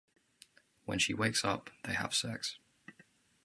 When she wakes up, they have sex.